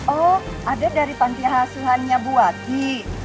oh ada dari panti asuhannya bu wadi